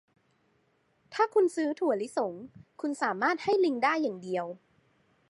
ถ้าคุณซื้อถั่วลิสง คุณสามารถให้ลิงได้อย่างเดียว